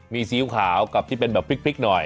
มีซีอิ๊วขาวกับที่เป็นแบบพริกหน่อย